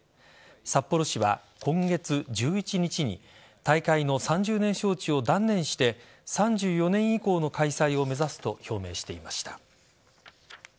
札幌市は今月１１日に大会の３０年招致を断念して３４年以降の開催を目指すと表明していました。